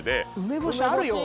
梅干しあるよ